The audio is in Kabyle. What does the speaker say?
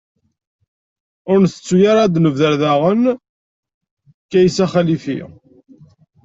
Ur ntettu ara ad d-nebder daɣen Kaysa Xalifi.